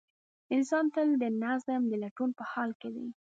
انسان تل د نظم د لټون په حال کې دی.